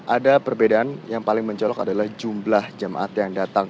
ada perbedaan yang paling mencolok adalah jumlah jemaat yang datang